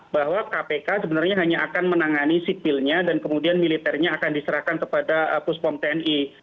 bahwa kpk sebenarnya hanya akan menangani sipilnya dan kemudian militernya akan diserahkan kepada puspom tni